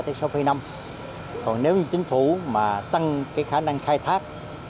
còn nếu như chính phủ mà tăng cái khả năng khai thức